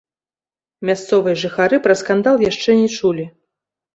Мясцовыя жыхары пра скандал яшчэ не чулі.